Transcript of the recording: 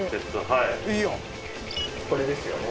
これですよね。